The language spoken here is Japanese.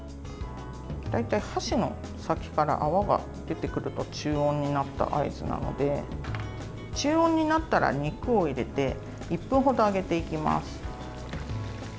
大体、箸の先から泡が出てくると中温になった合図なので中温になったら肉を入れて１分ほど揚げていきます。